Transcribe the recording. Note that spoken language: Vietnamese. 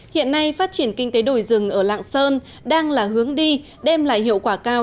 hiện nay phát triển kinh tế đồi rừng ở lạng sơn đang là hướng đi đem lại hiệu quả cao